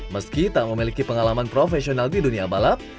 meski tak memiliki pengalaman profesional di dunia balap